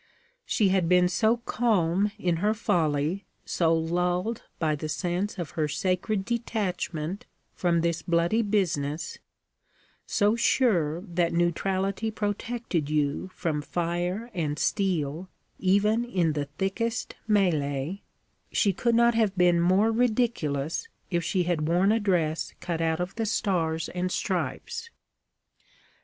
She had been so calm in her folly, so lulled by the sense of her sacred detachment from this bloody business, so sure that neutrality protected you from fire and steel even in the thickest mêlée she could not have been more ridiculous if she had worn a dress cut out of the Stars and Stripes.